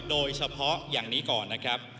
โดยเฉพาะอย่างนี้ก่อนนะครับ